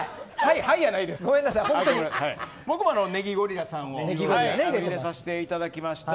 僕もネギゴリラさんに入れさせていただきました。